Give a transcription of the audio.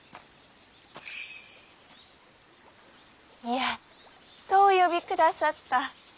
やっとお呼びくださった。